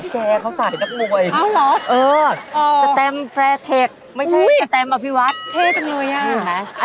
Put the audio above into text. แกเขาสายนักมวยเออสเต็มแฟร์เทคไม่ใช่สเต็มอภิวัฒน์เท่จังเลยอ่ะ